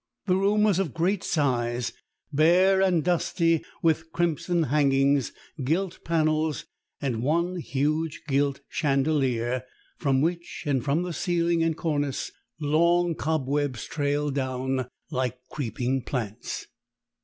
The room was of great size, bare and dusty, with crimson hangings, gilt panels, and one huge gilt chandelier, from which and from the ceiling and cornice long cobwebs trailed down like creeping plants.